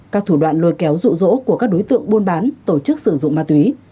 các thủ đoạn lôi kéo rụ rỗ của các đối tượng buôn bán tổ chức sử dụng ma túy